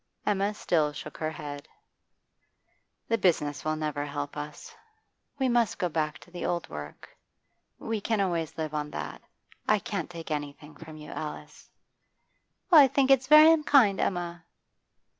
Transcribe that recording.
Emma still shook her head. 'The business will never help us. We must go back to the old work; we can always live on that. I can't take anything from you, Alice.' 'Well, I think it's very unkind, Emma.